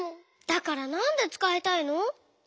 だからなんでつかいたいの？